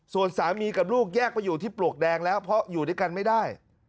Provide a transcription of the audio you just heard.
ส่วนสามีกับลูกแยกไปอยู่ที่ปลวกแดงแล้วเพราะอยู่ด้วยกันไม่ได้